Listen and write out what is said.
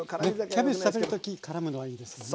キャベツ食べる時からむのはいいですよね。